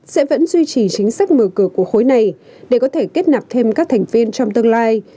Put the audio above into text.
sẽ vẫn duy trì chính sách mở cửa của khối này để có thể kết nạp thêm các thành viên trong tương lai